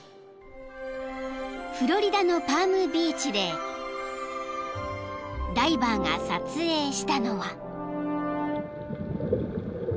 ［フロリダのパームビーチでダイバーが撮影したのは］